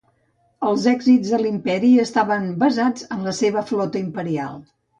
Els èxits de l'imperi estaven basats en la seva flota imperial.